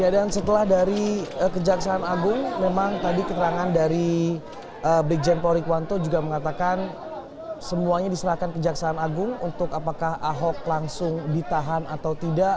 ya dan setelah dari kejaksaan agung memang tadi keterangan dari brigjen paul rikwanto juga mengatakan semuanya diserahkan kejaksaan agung untuk apakah ahok langsung ditahan atau tidak